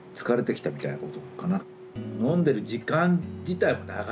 飲んでる時間自体も長いしね。